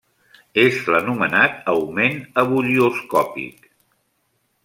És l'anomenat augment ebullioscòpic.